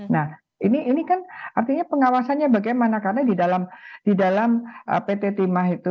nah ini kan artinya pengawasannya bagaimana karena di dalam pt timah itu